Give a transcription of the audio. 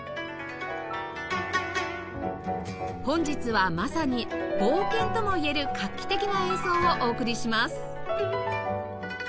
本日はまさに冒険ともいえる画期的な演奏をお送りします